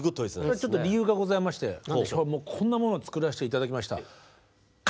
ちょっと理由がございましてこんなものを作らせて頂きました。